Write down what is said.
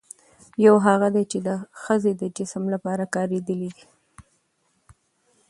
يوهغه دي، چې د ښځې د جسم لپاره کارېدلي دي